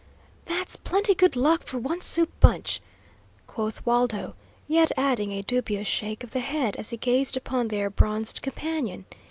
"That's plenty good luck for one soup bunch," quoth Waldo, yet adding a dubious shake of the head as he gazed upon their bronzed companion.